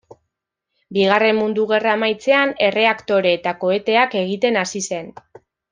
Bigarren Mundu Gerra amaitzean, erreaktore eta koheteak egiten hasi zen.